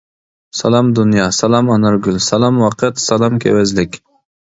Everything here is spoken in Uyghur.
سالام دۇنيا، سالام ئانارگۈل، سالام ۋاقىت، سالام كېۋەزلىك!